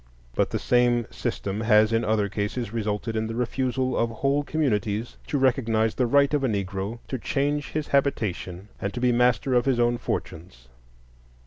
But the same system has in other cases resulted in the refusal of whole communities to recognize the right of a Negro to change his habitation and to be master of his own fortunes.